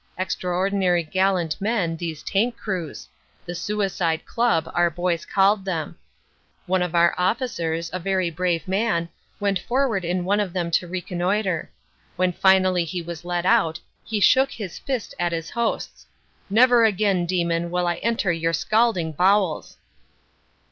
Extraordinary gallant men, these tank crews; the "suicide club" our boys called them; one of our officers, a very brave man, went forward in one of them to reconnoitre. When finally he was let out he shook his fist at his hosts; "Never again, demon, will I enter your scalding bowels!"